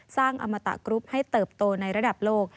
อมตะกรุ๊ปให้เติบโตในระดับโลก